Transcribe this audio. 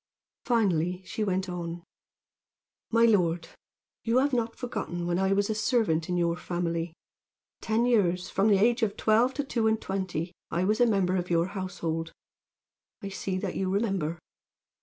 Finally she went on: "My lord, you have not forgotten when I was a servant in your family. Ten years from the age of twelve to two and twenty I was a member of your household. I see that you remember.